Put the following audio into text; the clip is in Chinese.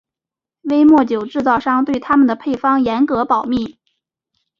威末酒制造商对他们的配方严格保密。